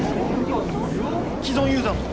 ・既存ユーザーも？